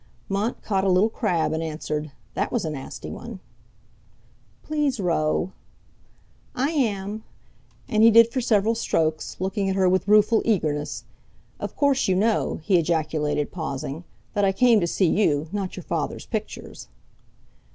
Mont caught a little crab, and answered: "That was a nasty one!" "Please row." "I am." And he did for several strokes, looking at her with rueful eagerness. "Of course, you know," he ejaculated, pausing, "that I came to see you, not your father's pictures."